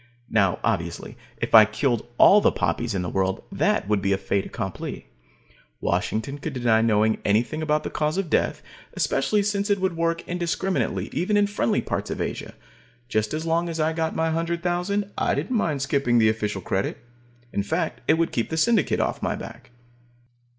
Now, obviously, if I killed all the poppies in the world, that would be a fait accompli. Washington could deny knowing anything about the cause of death, especially since it would work indiscriminately even in friendly parts of Asia. Just as long as I got my hundred thousand, I didn't mind skipping the official credit. In fact, it would keep the Syndicate off my back.